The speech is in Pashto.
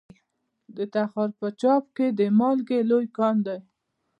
د تخار په چاه اب کې د مالګې لوی کان دی.